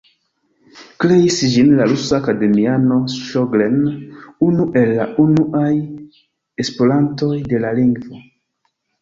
Kreis ĝin la rusa akademiano Ŝogren, unu el la unuaj esplorantoj de la lingvo.